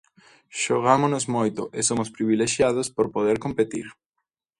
Xogámonos moito e somos privilexiados por poder competir.